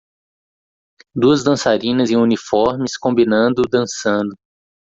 Duas dançarinas em uniformes combinando dançando.